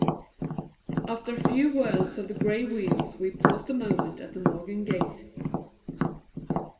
After a few whirls of the gray wheels we paused a moment at the Morgan gate.